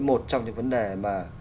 một trong những vấn đề mà